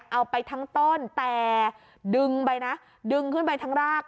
เอาไปทั้งต้นแต่ดึงไปนะดึงขึ้นไปทั้งราก